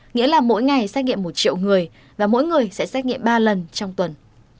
nghĩa là mỗi ngày xét nghiệm một triệu người và mỗi người sẽ xét nghiệm ba lần trong tuần